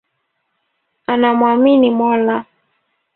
Anamwamini Mola